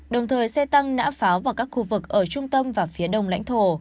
đồng thời xe tăng nã pháo vào các khu vực ở trung tâm và phía đông lãnh thổ